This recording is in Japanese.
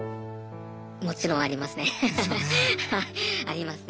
もちろんありますね。ですよね。